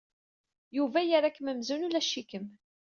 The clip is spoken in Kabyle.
Yuba yerra-kem amzun ulac-ikem.